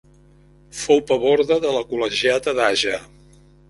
Fou paborde de la col·legiata d'Àger.